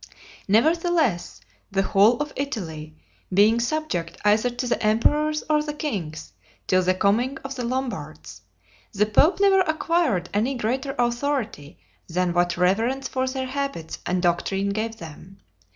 Nevertheless, the whole of Italy, being subject either to the emperors or the kings till the coming of the Lombards, the popes never acquired any greater authority than what reverence for their habits and doctrine gave them.